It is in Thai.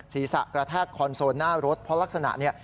ศีรษะกระแทกคอนโซลหน้ารถเพราะลักษณะเนี่ย